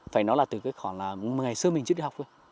phải nói là từ khoảng là ngày xưa mình chưa đi học rồi